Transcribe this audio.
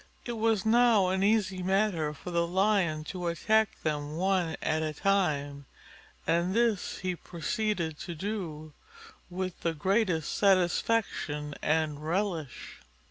It was now an easy matter for the Lion to attack them one at a time, and this he proceeded to do with the greatest satisfaction and relish.